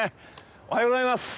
おはようございます！